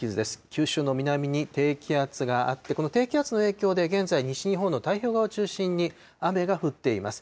九州の南に低気圧があって、この低気圧の影響で現在、西日本の太平洋側を中心に雨が降っています。